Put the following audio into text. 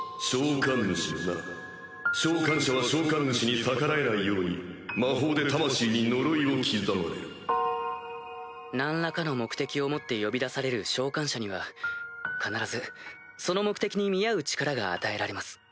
召喚主のな召喚者は召喚主に逆らえないように魔法で魂に呪いを刻まれる何らかの目的を持って呼び出される召喚者には必ずその目的に見合う力が与えられます。